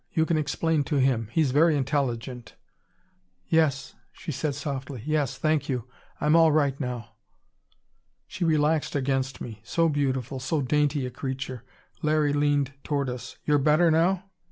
You can explain to him. He's very intelligent." "Yes," she said softly. "Yes. Thank you. I'm all right now." She relaxed against me. So beautiful, so dainty a creature. Larry leaned toward us. "You're better now?"